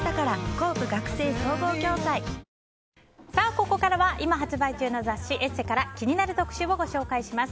ここからは今発売中の雑誌「ＥＳＳＥ」から気になる特集をご紹介します。